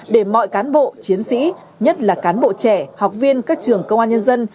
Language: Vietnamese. để mọi cán bộ chiến sĩ nhất là cán bộ trẻ học viên các trường công an nhân dân